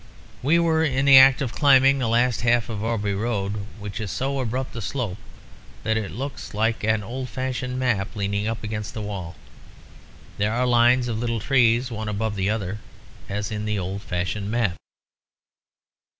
We were in the act of climbing the last half of Aubrey Road, which is so abrupt a slope that it looks like an old fashioned map leaning up against the wall. There are lines of little trees, one above the other, as in the old fashioned map.